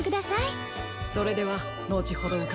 それではのちほどうかがいます。